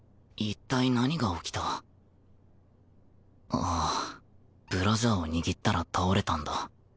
ああブラジャーを握ったら倒れたんだ